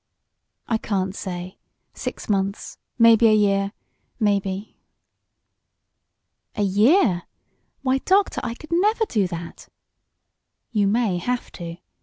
"I can't say six months maybe a year maybe " "A year! Why, Doctor, I never could do that." "You may have to.